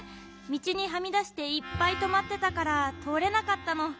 みちにはみだしていっぱいとまってたからとおれなかったの。